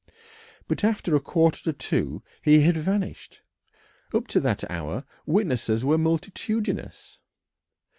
But after a quarter to two he had vanished. Up to that hour witnesses were multitudinous.